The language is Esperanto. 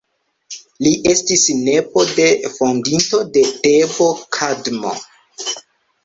Li estis nepo de fondinto de Tebo Kadmo.